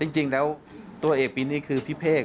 จริงแล้วตัวเอกปีนี้คือพี่เพศ